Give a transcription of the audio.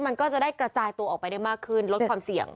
มันก็จะได้กระจายตัวออกไปได้มากขึ้นลดความเสี่ยง